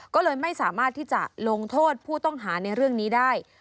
ก็เลยไม่สามารถที่จะลงโทษผู้ต้องหาในเรื่องนี้ได้